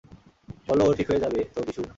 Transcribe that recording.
বলো ও ঠিক হয়ে যাবে তো, বিশু।